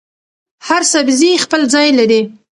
هر سبزي خپل ځای لري.